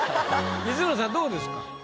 光宗さんどうですか？